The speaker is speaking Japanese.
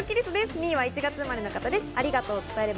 ２位は１月生まれの方です。